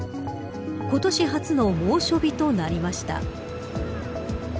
今年初の猛暑日となりました。